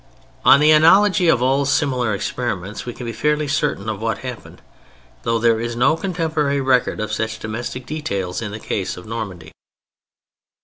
On the analogy of all similar experiments we can be fairly certain of what happened, though there is no contemporary record of such domestic details in the case of Normandy.